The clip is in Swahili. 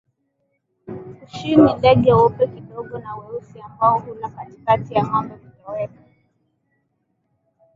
Kushin ni Ndege weupe kidogo na weusi ambao hula katikati ya ngombe kutoweka